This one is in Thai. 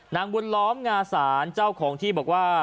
นางบุญล้อมงาสารเจ้าของที่บอกว่า